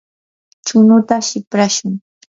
chunuta siprashun.